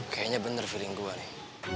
kayaknya bener sering gue nih